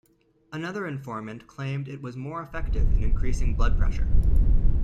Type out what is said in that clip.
Another informant claimed it was more effective in increasing blood pressure.